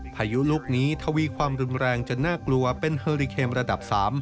พายุลูกนี้ทวีความรุนแรงจนน่ากลัวเป็นเฮอริเคมระดับ๓